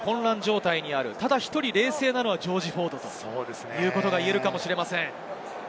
ただ１人冷静なのはジョージ・フォードということが言えるかもしれません。